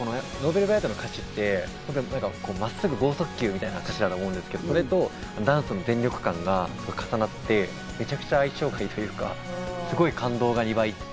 Ｎｏｖｅｌｂｒｉｇｈｔの歌詞って真っすぐ剛速球みたいな歌詞だと思うんですけど、それとダンスの全力感が重なって、めちゃくちゃ相性がいいというか、すごい感動が２倍。